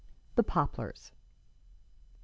THE POPLARS.